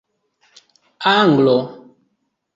Anglo